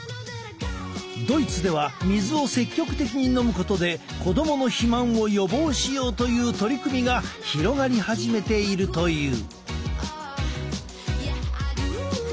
ドイツでは水を積極的に飲むことで子供の肥満を予防しようという取り組みが広がり始めているという。